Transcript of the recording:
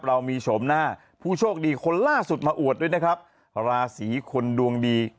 เรามีโฉมหน้าผู้โชคดีคนล่าสุดมาอวดด้วยนะครับราศีคนดวงดี